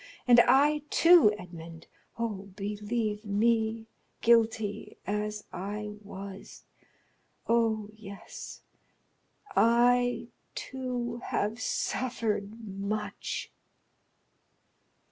And I, too, Edmond—oh! believe me—guilty as I was—oh, yes, I, too, have suffered much!"